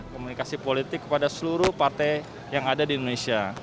komunikasi politik kepada seluruh partai yang ada di indonesia